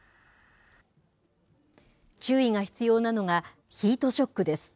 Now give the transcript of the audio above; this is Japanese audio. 注意が必要なのが、ヒートショックです。